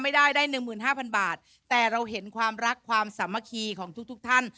ไม่ได้ได้๑๕๐๐๐บาทแต่เราเห็นความรักความสามัคคีของทุกท่าน